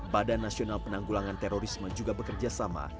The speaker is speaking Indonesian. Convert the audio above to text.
badan nasional penanggulangan terorisme juga bekerja sama